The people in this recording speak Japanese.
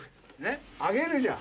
上げるじゃん。